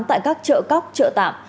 tại các chợ cóc chợ tạm